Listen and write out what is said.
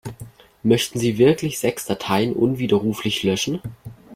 Möchten Sie wirklich sechs Dateien unwiderruflich löschen?